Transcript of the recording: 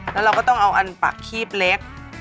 แล้วเราก็ต้องเอาอันปักคีบเล็ก